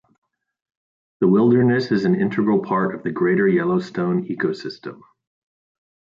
The wilderness is an integral part of the Greater Yellowstone Ecosystem.